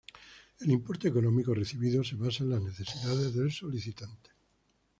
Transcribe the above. El importe económico recibido se basa en las necesidades del solicitante.